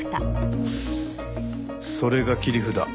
それが切り札